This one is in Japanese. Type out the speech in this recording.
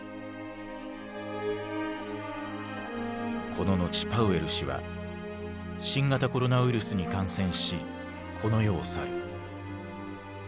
この後パウエル氏は新型コロナウイルスに感染しこの世を去る。